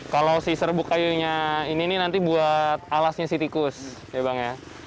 kalau si serbuk kayunya ini nanti buat alasnya si tikus ya bang ya